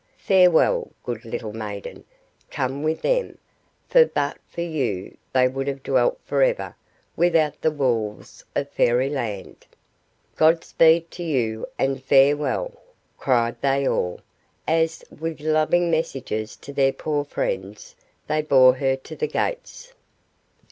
Farewell, good little maiden; come with them, for but for you they would have dwelt for ever without the walls of Fairy Land." "Good speed to you, and farewell," cried they all, as, with loving messages to their poor friends, they bore her to the gates.